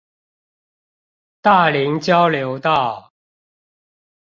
大林交流道